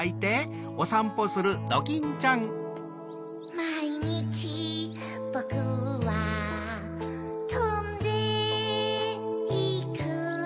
まいにちぼくはとんでいく